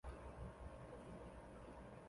泰拉诺娃出生于义大利托斯卡尼的。